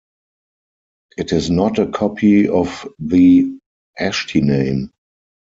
It is not a copy of the "Ashtiname".